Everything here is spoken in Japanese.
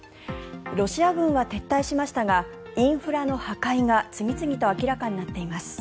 ロシア軍は徹底しましたがインフラの破壊が次々と明らかになっています。